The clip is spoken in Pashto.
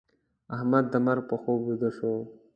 احمد د مرګ په خوب ويده شو.